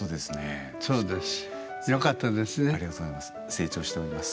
成長しております。